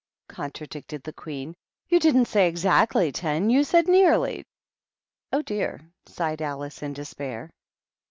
contradicted the Queen. "You didn't say exactly ten; you said nearly." "Oh, dear!" sighed Alice, in despair.